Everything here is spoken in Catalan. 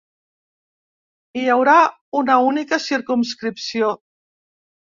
Hi haurà una única circumscripció.